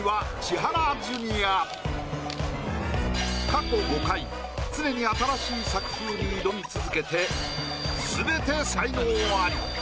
過去５回常に新しい作風に挑み続けて全て才能アリ。